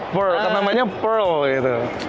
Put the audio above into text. pearl karena namanya pearl gitu